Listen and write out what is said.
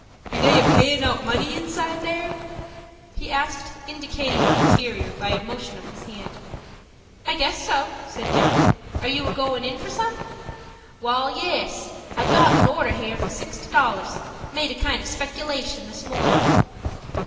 "Be they a payin' out money inside there?" he asked, indicating the interior by a motion of his hand. "I guess so," said Dick. "Are you a goin' in for some?" "Wal, yes. I've got an order here for sixty dollars,—made a kind of speculation this morning."